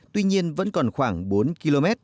tuy nhiên vẫn còn khoảng bốn km